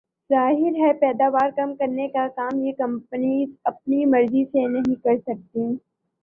ظاہر ہے پیداوار کم کرنے کا کام یہ کمپنیز اپنی مرضی سے نہیں کر سکتیں